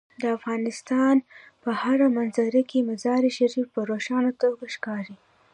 د افغانستان په هره منظره کې مزارشریف په روښانه توګه ښکاري.